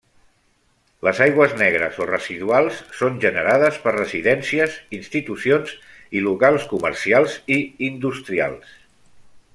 Les aigües negres o residuals són generades per residències, institucions i locals comercials i industrials.